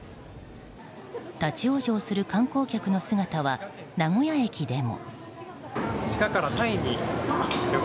立ち往生する観光客の姿は名古屋駅でも。